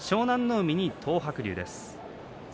海に東白龍です。